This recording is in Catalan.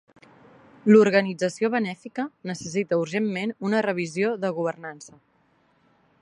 L'organització benèfica necessita urgentment una revisió de governança